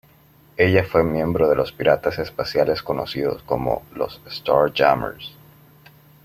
Ella fue miembro de los piratas espaciales conocidos como los Starjammers.